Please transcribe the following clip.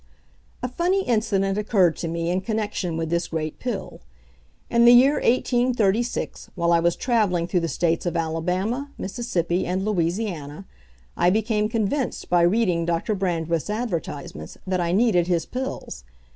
A funny incident occurred to me in connection with this great pill. In the year 1836, while I was travelling through the States of Alabama, Mississippi, and Louisiana, I became convinced by reading Doctor Brandreth's advertisements that I needed his pills.